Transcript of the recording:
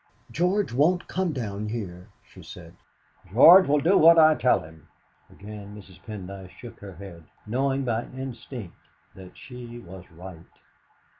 "George won't come down here," she said. "George will do what I tell him." Again Mrs. Pendyce shook her head, knowing by instinct that she was right.